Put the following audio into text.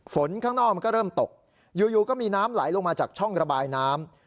ข้างนอกมันก็เริ่มตกอยู่ก็มีน้ำไหลลงมาจากช่องระบายน้ำ